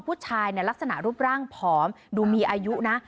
ผู้ชายลักษณะรูปร่างพร้อมดูมีอายุนะ